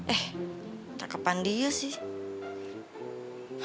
eh tak kapan dia sih